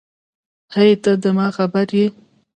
هی ته ده ما خبر یی